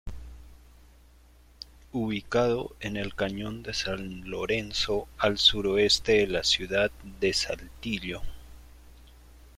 Ubicado en el Cañón de San Lorenzo al sureste de la ciudad de Saltillo.